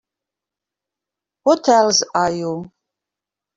What else are you?